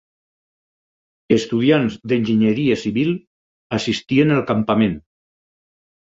Estudiants d'enginyeria civil assistien al campament.